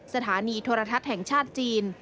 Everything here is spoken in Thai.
สถานีโทรทัศน์แห่งชาติจีน